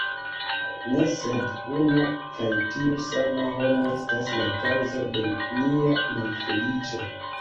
Ne, sed unu kaj tiu sama homo estas la kaŭzo de nia malfeliĉo.